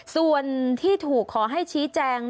ส่วนที่ถูกขอให้ชี้แจง